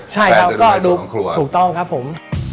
ใช่ครับก็ดูถูกต้องครับผม